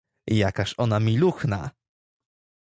"jakaż ona miluchna!"